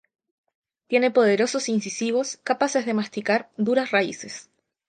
Tiene poderosos incisivos capaces de masticar duras raíces.